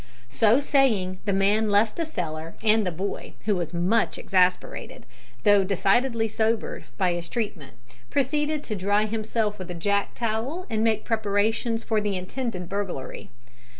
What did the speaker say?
So saying the man left the cellar, and the boy, who was much exasperated, though decidedly sobered, by his treatment, proceeded to dry himself with a jack towel, and make preparations for the intended burglary.